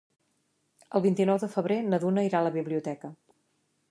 El vint-i-nou de febrer na Duna irà a la biblioteca.